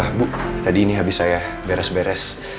ah bu tadi ini habis saya beres beres